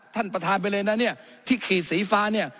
ท่านประธานไปเลยนะเนี่ยที่ขีดสีฟ้าเนี่ย